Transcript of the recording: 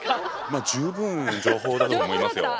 まあ十分情報だと思いますよ。